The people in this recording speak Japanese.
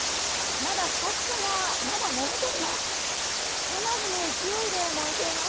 まだ下草が燃えています。